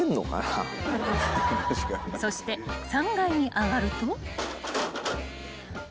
［そして３階に上がると］